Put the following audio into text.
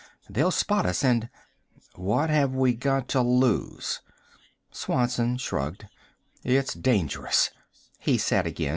They'll spot us and " "What have we got to lose?" Swanson shrugged. "It's dangerous," he said again.